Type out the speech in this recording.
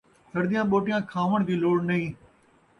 سڑدیاں ٻوٹیاں کھاوݨ دی لوڑ نئیں